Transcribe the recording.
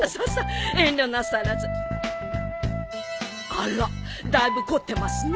あらだいぶ凝ってますね。